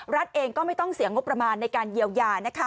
รัฐเองก็ไม่ต้องเสียงบประมาณในการเยียวยา